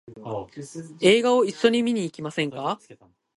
映画を一緒に見に行きませんか？